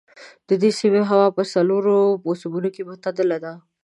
د دې سیمې هوا په څلورو موسمونو کې معتدله ده.